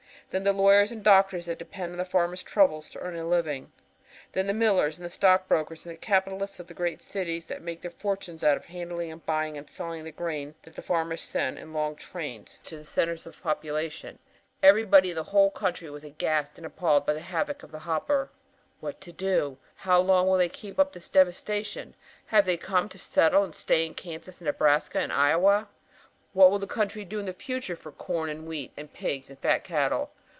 Then the lawyers and doctors that depend on the farmers' troubles to earn a living. Then the millers and stock brokers and capitalists of the great cities that make their fortunes out of handling and buying and selling the grain the farmers send in long trains to the centers of population. Everybody, the whole country, was aghast and appalled at the havoc of the hopper. "What to do? How long will they keep up this devastation? Have they come to settle and stay in Kansas and Nebraska and Iowa? What will the country do in the future for corn and wheat and pigs and fat cattle?